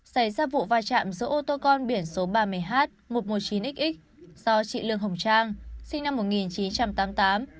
xảy ra vụ va chạm giữa ô tô con biển số ba mươi h một trăm một mươi chín x do chị lương hồng trang sinh năm một nghìn chín trăm tám mươi tám